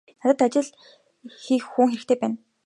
Надад ажил хийх хүн хэрэгтэй байна.